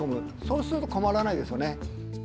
そうすると困らないですよね。